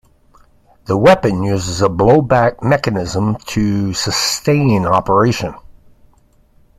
The weapon uses a blowback mechanism to sustain operation.